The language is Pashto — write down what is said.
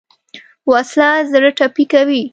وسله زړه ټپي کوي